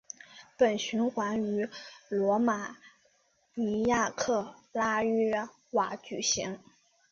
本循环于罗马尼亚克拉约瓦举行。